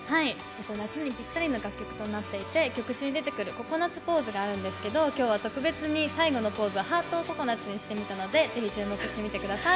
夏にぴったりの楽曲となっていて曲中に出てくるココナツポーズがあるんですけど、今日は特別に最後のポーズハートをココナツにしてみたのでぜひ、注目してみてください。